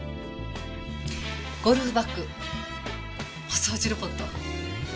ゴルフバッグ。お掃除ロボット。